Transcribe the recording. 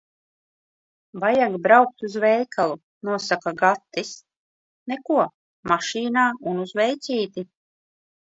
"Vajag braukt uz veikalu," nosaka Gatis. Neko, mašīnā un uz veicīti.